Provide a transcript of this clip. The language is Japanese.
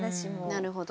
なるほど。